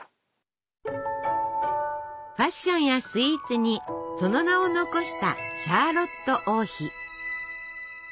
ファッションやスイーツにその名を残したシャーロット王妃。